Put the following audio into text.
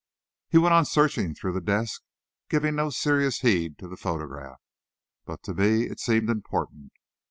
He went on searching through the desks, giving no serious heed to the photograph. But to me it seemed important.